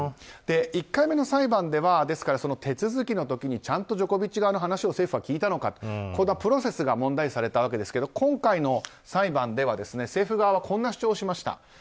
１回目の裁判では手続きの時にちゃんとジョコビッチ側の話を政府は聞いたのかとプロセスが問題視されたわけですが今回の裁判では、政府側はこんな主張をしました。